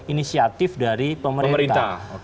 inisiatif dari pemerintah